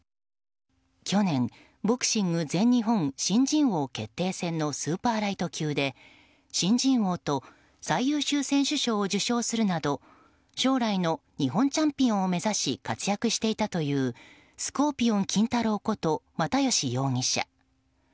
去年ボクシング全日本新人王決定戦のスーパーライト級で新人王と最優秀選手賞を受賞するなど将来の日本チャンピオンを目指し活躍していたというスコーピオン金太郎こと又吉容疑者。